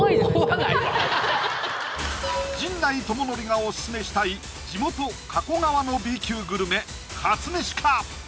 陣内智則がオススメしたい地元・加古川のＢ級グルメかつめしか？